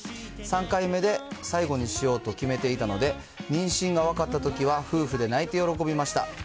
３回目で最後にしようと決めていたので、妊娠が分かったときは、夫婦で泣いて喜びました。